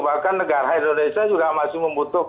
bahkan negara indonesia juga masuk ke negara indonesia